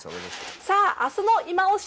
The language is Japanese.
明日の「いまオシ！